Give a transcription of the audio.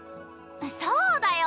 そうだよ！